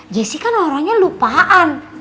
jessie kan orangnya lupaan